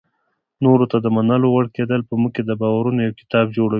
نورو ته د منلو وړ کېدل په موږ کې د باورونو یو کتاب جوړوي.